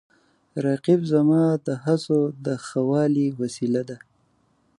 رقیب زما د هڅو د ښه والي وسیله ده